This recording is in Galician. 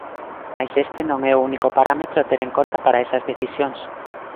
Mais este non é o único parámetro a ter en conta para esas decisións.